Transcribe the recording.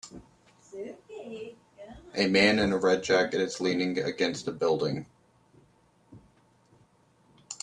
A man in a red jacket is leaning against a building